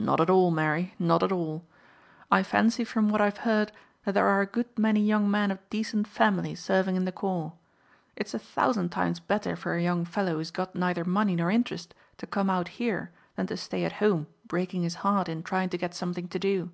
"Not at all, Mary, not at all. I fancy from what I have heard that there are a good many young men of decent family serving in the corps. It's a thousand times better for a young fellow who's got neither money nor interest to come out here than to stay at home breaking his heart in trying to get something to do.